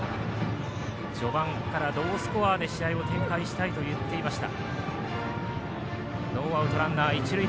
序盤からロースコアで試合を展開したいと言っていました。